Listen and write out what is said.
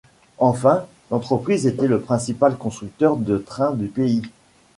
Enfin, l'entreprise était le principal constructeur de trains du pays.